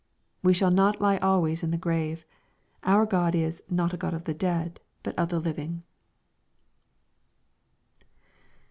We shall not lie always in the grave. Our God is " not a God of the dead, but of the living."